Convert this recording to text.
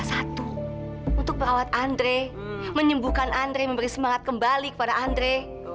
untuk merawat andre menyembuhkan andre memberi semangat kembali kepada andre